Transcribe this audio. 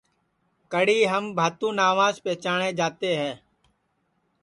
کڑی ہم بھانتو ناوس پیچاٹؔے جاتے ہے